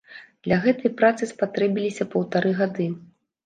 Для гэтай працы спатрэбіліся паўтары гады.